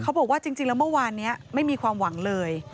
เขาบอกว่าจริงแล้วเมื่อวานนี้ไม่มีความหวังเลย